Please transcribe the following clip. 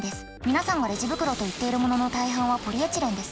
皆さんがレジ袋といっているものの大半はポリエチレンです。